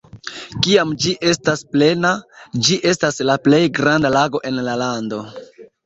Kiam ĝi estas plena, ĝi estas la plej granda lago en la lando.